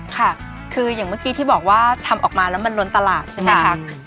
ค่ะคืออย่างเมื่อกี้ที่บอกว่าทำออกมาแล้วมันล้นตลาดใช่ไหมคะ